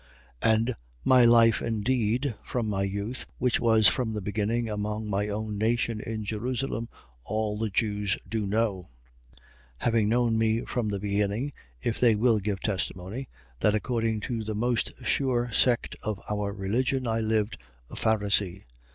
26:4. And my life indeed from my youth, which was from the beginning among my own nation in Jerusalem, all the Jews do know: 26:5. Having known me from the beginning (if they will give testimony) that according to the most sure sect of our religion I lived, a Pharisee.